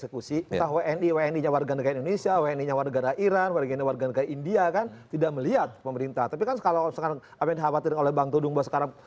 karena bagi hakim menjatuhkan